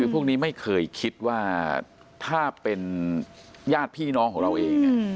พวกนี้ไม่เคยคิดว่าถ้าเป็นญาติพี่น้องของเราเอง